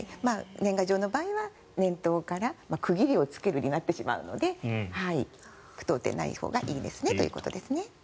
年賀状の場合は年頭から区切りをつけるになってしまうので句読点、ないほうがいいですねということですね。